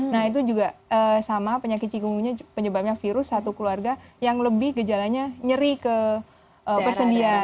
nah itu juga sama penyakit cikungunya penyebabnya virus satu keluarga yang lebih gejalanya nyeri ke persendian